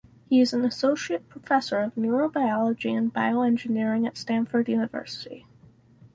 He is an Associate Professor of Neurobiology and Bioengineering at Stanford University.